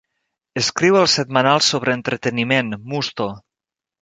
Escriu el setmanal sobre entreteniment Musto!